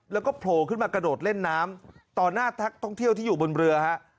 แล้วก็โผล่ขึ้นมากระโดดเล่นน้ำต่อหน้านักท่องเที่ยวที่อยู่บนเรือฮะ